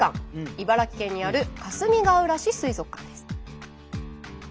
茨城県にあるかすみがうら市水族館です。